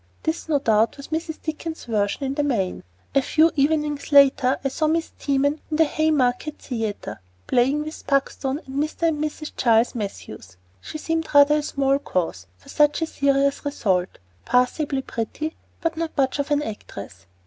This, no doubt, was Mrs. Dickens's version, in the main. A few evenings later I saw Miss Teman at the Haymarket Theatre, playing with Buckstone and Mr. and Mrs. Charles Mathews. She seemed rather a small cause for such a serious result passably pretty, and not much of an actress.